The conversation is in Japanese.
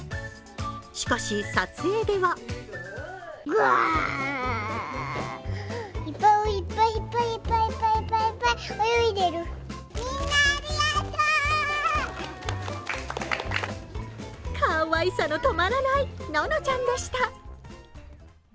しかし、撮影ではかわいさの止まらないののちゃんでした。